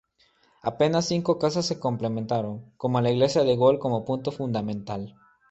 Apenas cinco casas se completaron, como la iglesia de Gol como punto fundamental.